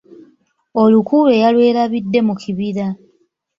Oluku lwe yalwelabidde mu kibiira.